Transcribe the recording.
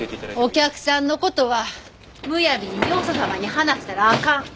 お客さんの事はむやみによそ様に話したらあかん。